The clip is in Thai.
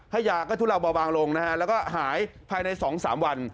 ยาก็ทุเลาเบาบางลงนะฮะแล้วก็หายภายใน๒๓วัน